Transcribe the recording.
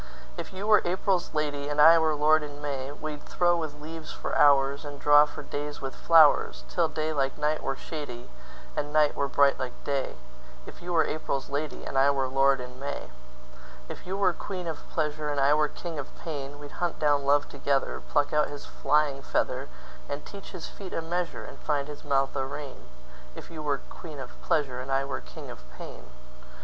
If you were April's lady, And I were lord in May, We'd throw with leaves for hoursAnd draw for days with flowers, Till day like night were shadyAnd night were bright like day; If you were April's lady, And I were lord in May.If you were queen of pleasure, And I were king of pain, We'd hunt down love together, Pluck out his flying feather, And teach his feet a measure, And find his mouth a rein; If you were queen of pleasure. And I were king of pain.